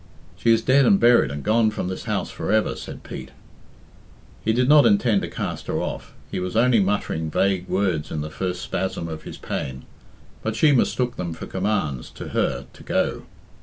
"She is dead and buried, and gone from this house for ever," said Pete. He did not intend to cast her off; he was only muttering vague words in the first spasm of his pain; but she mistook them for commands to her to go.